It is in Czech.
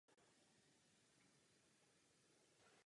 Na území obce leží část letiště Charlese de Gaulla.